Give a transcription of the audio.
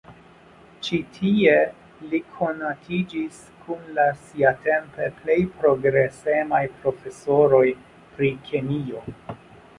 Ĉi-tie li konatiĝis kun la siatempe plej progresemaj profesoroj pri kemio.